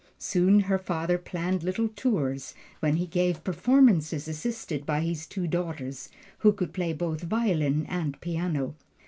Soon her father planned little tours, when he gave performances assisted by his two daughters, who could play both violin and piano.